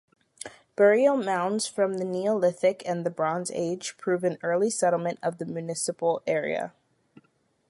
Burial mounds from the Neolithic and the Bronze Age prove an early settlement of the municipal area.